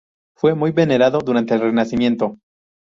Fue muy venerado durante el Renacimiento.